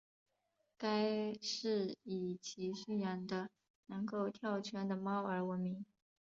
该寺以其训养的能够跳圈的猫而闻名。